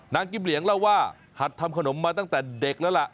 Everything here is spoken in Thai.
กิมเหลียงเล่าว่าหัดทำขนมมาตั้งแต่เด็กแล้วล่ะ